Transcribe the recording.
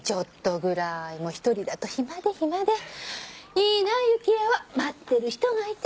いいな雪枝は待ってる人がいて。